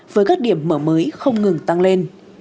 với các điểm mở mới không ngừng tăng lên